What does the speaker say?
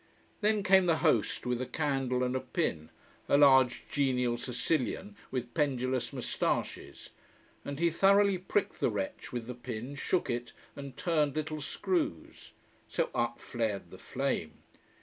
Then came the host with a candle and a pin, a large, genial Sicilian with pendulous mustaches. And he thoroughly pricked the wretch with the pin, shook it, and turned little screws. So up flared the flame.